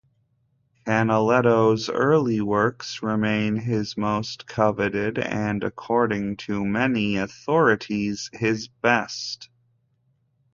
Canaletto's early works remain his most coveted and, according to many authorities, his best.